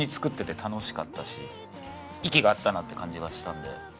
息が合ったなって感じがしたんで。